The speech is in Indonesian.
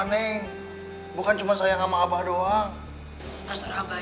tapi abah juga jangan pernah ngelarang neng ya